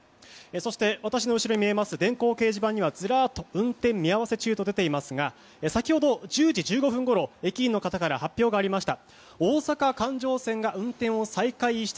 そして、私の後ろに見えます電光掲示板にはずらっと運転見合わせと出ていますが先ほど１０時１５分ごろ駅員の方から発表がありました。